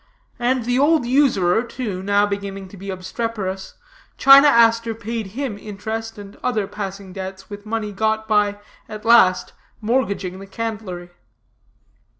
And the old usurer, too, now beginning to be obstreperous, China Aster paid him his interest and some other pressing debts with money got by, at last, mortgaging the candlery.